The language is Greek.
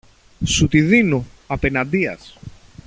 Σου τη δίνω, απεναντίας